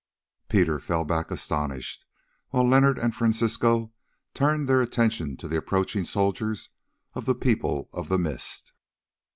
Peter fell back astonished, while Leonard and Francisco turned their attention to the approaching soldiers of the People of the Mist.